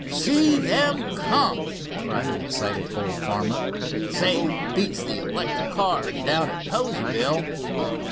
"See them come!" cried an excited old farmer. "Say, it beats the electric cars down at Poseyville!"